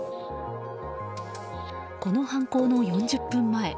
この犯行の４０分前。